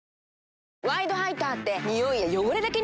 「ワイドハイター」ってニオイや汚れだけに使うもの？